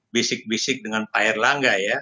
bisik bisik dengan pak erlangga ya